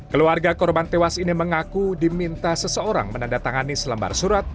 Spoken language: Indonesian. keluarga korban tewas ini mengaku diminta seseorang menandatangani selembar surat